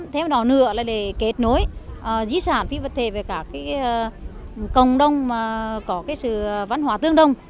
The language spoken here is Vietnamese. thêm đó nữa là để kết nối di sản với vật thể về cả cái cộng đồng mà có cái sự văn hóa tương đồng